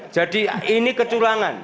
jadi ini kecurangan